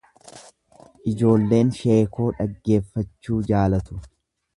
Ijoolleen sheekoo dhaggeeffachuu jaalatu.